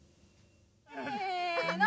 せの！